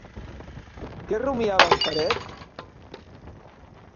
Què rumiava en Peret?